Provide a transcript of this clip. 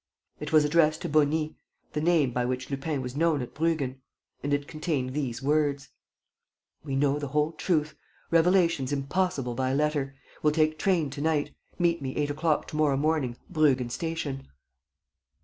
It was addressed to "Beauny," the name by which Lupin was known at Bruggen. And it contained these words: "We know the whole truth. Revelations impossible by letter. Will take train to night. Meet me eight o'clock to morrow morning Bruggen station."